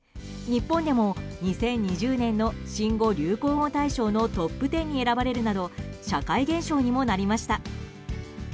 日本でも２０２０年の新語・流行語大賞のトップ１０に選ばれるなど社会現象にもなりました。